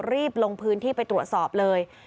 รีบลงพื้นที่ไปตรวจสอบเลย